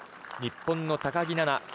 日本の高木菜那。